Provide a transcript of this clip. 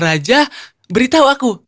baru saja beritahu aku